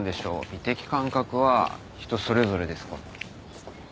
美的感覚は人それぞれですから。